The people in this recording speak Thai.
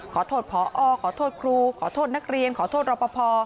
ขอโทษพอขอโทษครูขอโทษนักเรียนขอโทษรอปภ